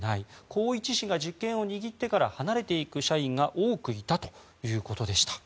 宏一氏が実権を握ってから離れていく社員が多くいたということでした。